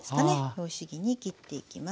拍子木に切っていきます。